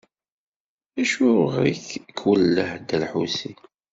Acu iɣer i k-iwelleh Dda Lḥusin?